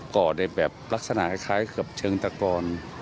ก่อได้แบบลักษณะคล้ายกับเชิงตะกอน